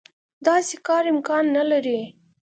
داسې کار امکان نه لري.